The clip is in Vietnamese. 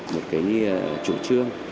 một cái chủ trương